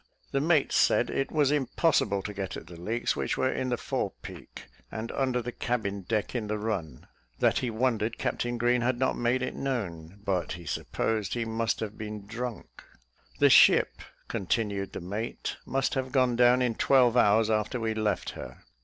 The mate said it was impossible to get at the leaks, which were in the fore peak, and under the cabin deck in the run; that he wondered Captain Green had not made it known, but he supposed he must have been drunk: "the ship," continued the mate, "must have gone down in twelve hours after we left her."